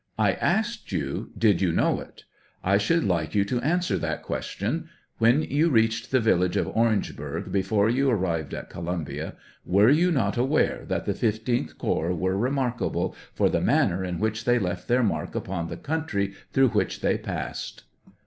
1 asked you did you know it; I should like you to answer that question ; when you reached the village of Orangeburg, before you arrived at Columbia, were you not aware that the 15th corps were remarkable for the manner in which they left their mark upon the country through which they passed